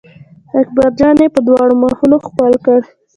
اکبر جان یې په دواړو مخونو ښکل کړ.